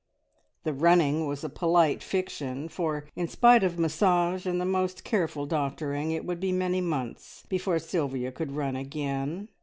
The "running" was a polite fiction, for in spite of massage and the most careful doctoring it would be many months before Sylvia could run again.